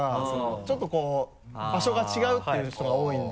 ちょっとこう場所が違うっていう人が多いんで。